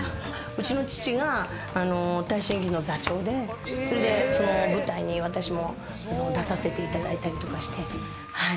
うちの父が大衆演劇の座長で、その舞台に私も出させていただいたりとかして。